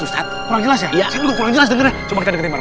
ustadz kurang jelas ya iya juga kurang jelas denger cuma tadi marah marah